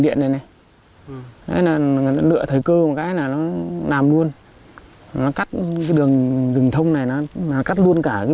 điện này này là lựa thời cơ một cái là nó làm luôn nó cắt cái đường rừng thông này nó cắt luôn cả những